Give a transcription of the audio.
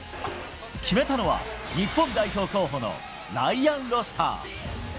決めたのは、日本代表候補のライアン・ロシター。